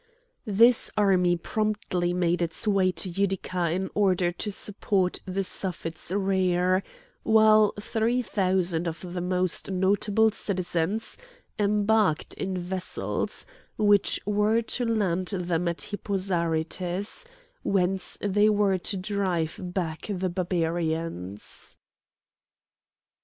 This army promptly made its way to Utica in order to support the Suffet's rear, while three thousand of the most notable citizens embarked in vessels which were to land them at Hippo Zarytus, whence they were to drive back the Barbarians.